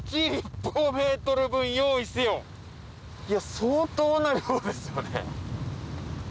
相当な量ですよね。